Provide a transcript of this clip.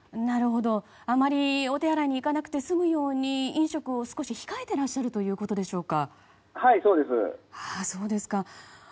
あまりお手洗いに行かなくて済むように飲食を少し控えてらっしゃるということでしょうか。